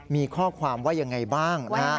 มีข้อความว่ายังไงบ้างนะฮะ